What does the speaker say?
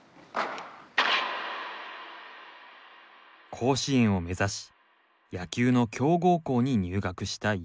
甲子園を目指し野球の強豪校に入学したユーイチ。